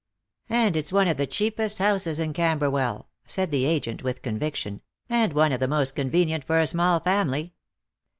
" And it's one of the cheapest houses in Camberwell," said the agent with conviction, " and one of the most convenient for a small family."